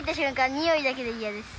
においだけで嫌です。